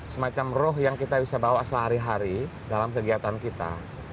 semacam roh yang kita bisa bawa sehari hari dalam kegiatan kita